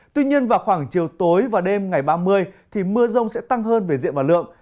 tuy nhiên vào khoảng chiều tối và đêm ngày ba mươi thì mưa rông sẽ tăng hơn về diện và lượng